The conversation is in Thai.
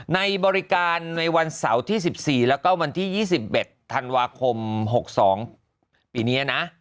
ในบริการในวันเสาร์ที่สิบสี่แล้วก็วันที่ยี่สิบเอ็ดธันวาคมหกสองปีเนี้ยนะ